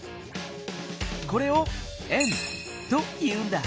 これを「円」と言うんだ。